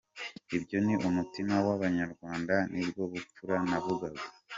Ibyo ni umutima wabanyarwanda, ni bwa bupfura navugaga.”